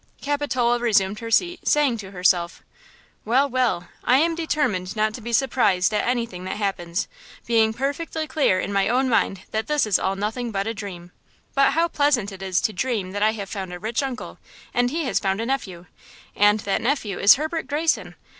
Capitola resumed her seat, saying to herself: "Well, well, I am determined not to be surprised at anything that happens, being perfectly clear in my own mind that this is all nothing but a dream. But how pleasant it is to dream that I have found a rich uncle and he has found a nephew, and that nephew is Herbert Greyson!